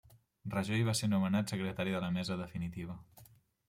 Rajoy va ser nomenat secretari de la Mesa definitiva.